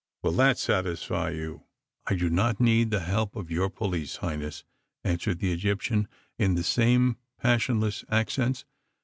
Will that satisfy you?" "I do not need the help of your police, Highness," answered the Egyptian, in the same passionless accents.